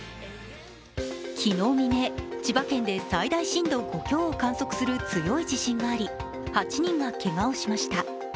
昨日未明、千葉県で最大震度５強を観測する強い地震があり、８人がけがをしました。